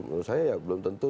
menurut saya ya belum tentu